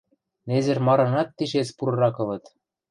Незер марынат тишец пурырак ылыт.